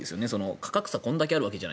価格差がこれだけあるわけです。